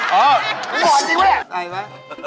ใครวะ